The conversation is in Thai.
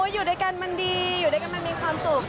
อยู่ด้วยกันมันดีอยู่ด้วยกันมันมีความสุข